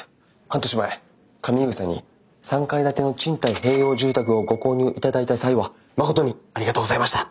半年前上井草に３階建ての賃貸併用住宅をご購入いただいた際はまことにありがとうございました。